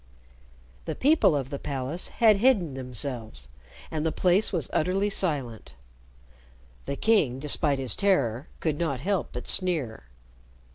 The people of the palace had hidden themselves, and the place was utterly silent. The king, despite his terror, could not help but sneer.